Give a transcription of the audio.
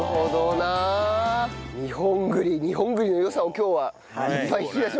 日本栗日本栗の良さを今日はいっぱい引き出しましょう。